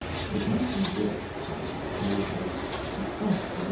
Itmight b^_ wished that you would have suppresse^d,yoitt.